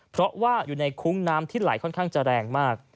เพราะว่าอยู่ในคุ้งน้ำที่ไหลค่อนข้างจะแรงมาก